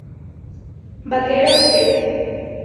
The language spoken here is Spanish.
Vaqueros "B"